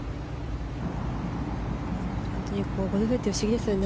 ゴルフって不思議ですよね。